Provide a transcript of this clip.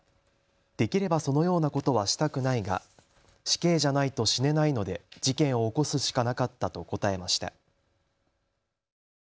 できればそのようなことはしたくないが死刑じゃないと死ねないので事件を起こすしかなかったと答えました。